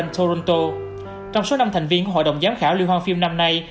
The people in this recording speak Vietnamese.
trong số năm thành viên của hội đồng giám khảo liên hoan phim năm nay